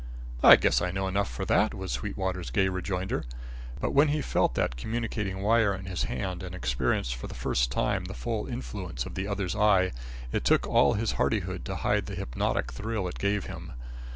"I guess I know enough for that," was Sweetwater's gay rejoinder. But when he felt that communicating wire in his hand and experienced for the first time the full influence of the other's eye, it took all his hardihood to hide the hypnotic thrill it gave him.